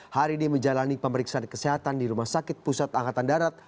hari ini menjalani pemeriksaan kesehatan di rumah sakit pusat angkatan darat